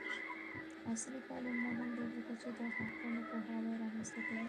عصري تعلیم مهم دی ځکه چې د حقونو پوهاوی رامنځته کوي.